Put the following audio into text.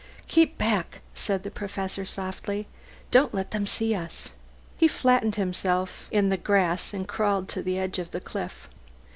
"Keep back," said the Professor softly. "Don't let them see us." He flattened himself in the grass and crawled to the edge of the cliff.